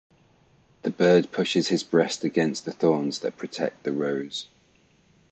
The bird pushes his breast against the thorns that protect the rose.